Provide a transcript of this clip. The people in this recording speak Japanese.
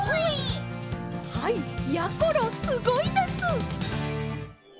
はいやころすごいです！